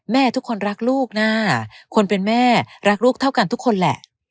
แม่ทุกคนรักลูกนะคนเป็นแม่รักลูกเท่ากันทุกคนแหละ